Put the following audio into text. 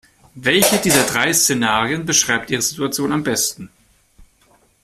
Welches dieser drei Szenarien beschreibt Ihre Situation am besten?